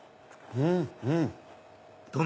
うん！